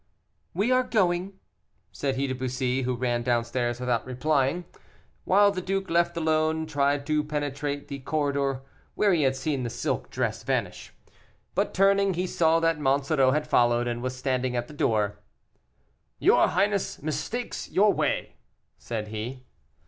"We are going," said he to Bussy, who ran down stairs without replying; while the duke, left alone, tried to penetrate the corridor where he had seen the silk dress vanish. But, turning, he saw that Monsoreau had followed, and was standing at the door. "Your highness mistakes your way," said he.